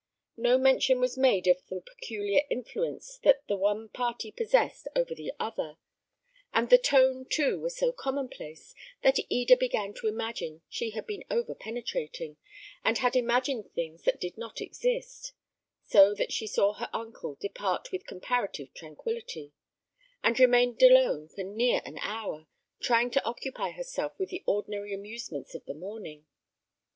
No mention was made of the peculiar influence that the one party possessed over the other; and the tone, too, was so commonplace, that Eda began to imagine she had been over penetrating, and had imagined things that did not exist; so that she saw her uncle depart with comparative tranquillity, and remained alone for near an hour, trying to occupy herself with the ordinary amusements of the morning.